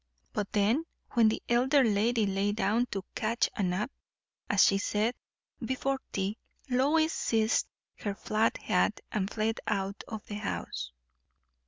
But then, when the elder lady lay down to "catch a nap," as she said, before tea, Lois seized her flat hat and fled out of the house.